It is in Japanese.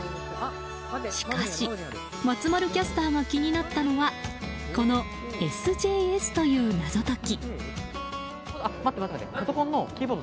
しかし、松丸キャスターが気になったのはこの「ＳＪＳ」という謎解き。